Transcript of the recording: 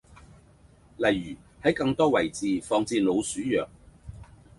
例如喺更多位置放置老鼠藥